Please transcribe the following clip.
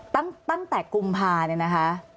ตั้งแต่กุมภาเนี่ยนะคะ